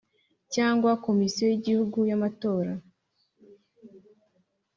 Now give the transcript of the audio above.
cyangwa Komisiyo y’Igihugu y’Amatora.